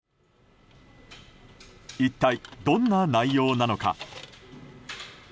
一体どんな内容なのか。